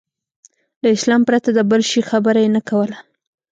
له اسلام پرته د بل شي خبره یې نه کوله.